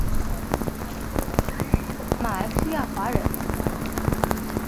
叶清荣马来西亚华人。